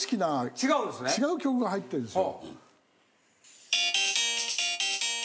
違う曲が入ってんですよ。